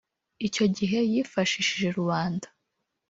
Icyo gihe yifashishije Rubanda